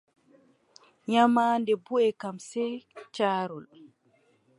Nyamaande buʼe kam, sey caarol.